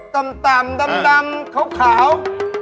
ตำตำตำตำเขาขาว